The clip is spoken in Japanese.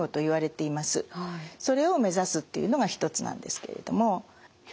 それを目指すっていうのが一つなんですけれども。